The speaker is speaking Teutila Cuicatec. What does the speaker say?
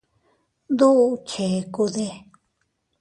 ¿Duʼu chekude?